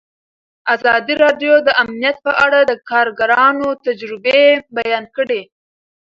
ازادي راډیو د امنیت په اړه د کارګرانو تجربې بیان کړي.